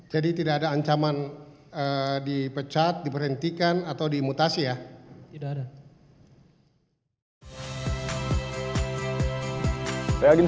jadi tidak ada ancaman di pecahkan uang